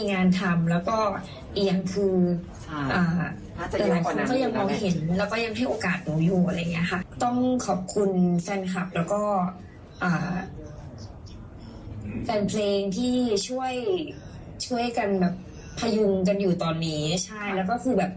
นำมาให้น้องหายใช่หมด